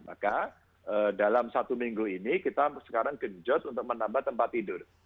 maka dalam satu minggu ini kita sekarang genjot untuk menambah tempat tidur